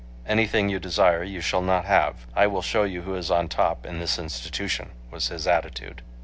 "Anything you desire, you shall not have. I will show you who is on top in this institution," was his attitude.